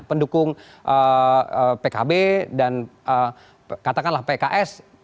pendukung pkb dan katakanlah pks